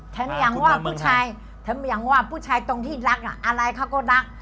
แถมอย่างว่าผู้ชายตรงที่รักอะไรเขาก็รัก